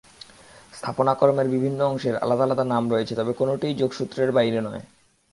স্থাপনাকর্মের বিভিন্ন অংশের আলাদা আলাদা নাম রয়েছে, তবে কোনোটিই যোগসূত্রের বাইরে নয়।